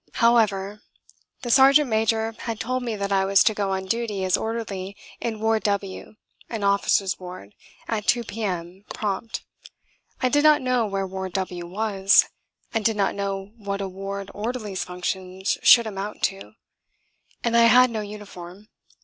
However ! The Sergeant Major had told me that I was to go on duty as orderly in Ward W an officers' ward at 2 p.m. prompt. I did not know where Ward W was; I did not know what a ward orderly's functions should amount to. And I had no uniform.